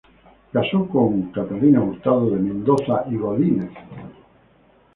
Casó con "Catalina Hurtado de Mendoza y Godínez".